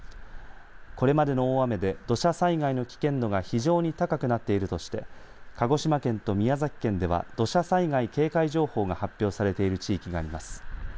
これまでの大雨で土砂災害の危険度が非常に高くなっているとして鹿児島県と宮崎県では土砂災害警戒情報が発表されている地域があります。